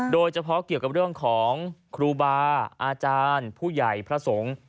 โดยเฉพาะเกี่ยวกับเรื่องของครูบาอาจารย์ผู้ใหญ่พระสงฆ์